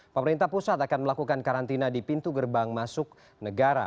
pemerintah pusat akan melakukan karantina di pintu gerbang masuk negara